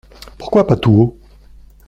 Pourquoi pas tout haut ?